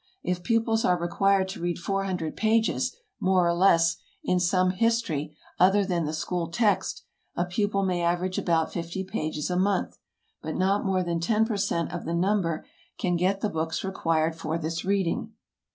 If pupils are required to read four hundred pages, more or less, in some history other than the school text, a pupil may average about fifty pages a month. But not more than ten per cent. of the number can get the books required for this reading.